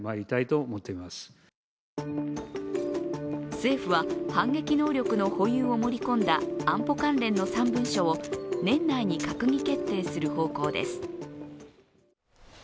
政府は反撃能力の保有を盛り込んだ安保関連の３文書を年内に閣議決定する方向です。